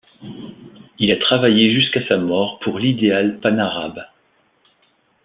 Il a travaillé jusqu'à sa mort pour l'idéal panarabe.